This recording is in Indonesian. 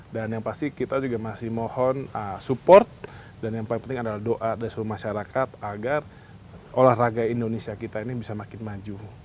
dan yang pasti kita juga masih mohon support dan yang paling penting doa dan duluan masyarakat agar olahraga indonesia bisa makin maju